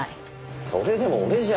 それでも俺じゃ。